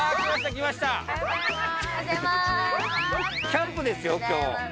キャンプですよ、きょう。